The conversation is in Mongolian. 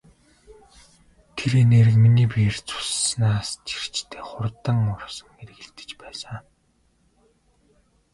Тэр энерги миний биеэр цуснаас ч эрчтэй хурдан урсан эргэлдэж байсан.